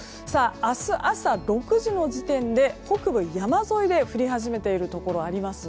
明日朝６時の時点で北部山沿いで降り始めているところがあります。